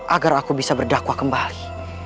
agar aku bisa berdakwah kembali